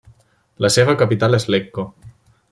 La seva capital és Lecco.